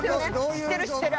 知ってる知ってる。